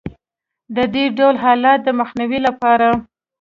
د دې ډول حالت د مخنیوي لپاره